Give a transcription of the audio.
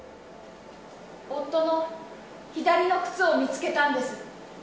夫の左の靴を見つけたんです。